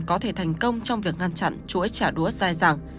có thể thành công trong việc ngăn chặn chuỗi trả đũa dài dàng